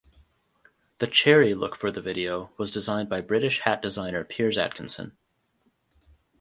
The cherry look for the video was designed by British hat designer Piers Atkinson.